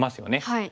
はい。